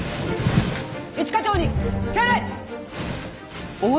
一課長に敬礼！